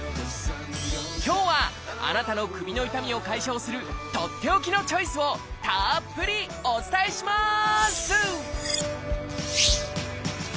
今日はあなたの首の痛みを解消するとっておきのチョイスをたっぷりお伝えします！